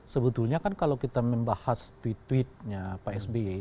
sebetulnya kan kalau kita membahas tweet tweetnya pak sby